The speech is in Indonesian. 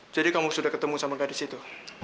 jadi kamu sudah ketemu sama gadis itu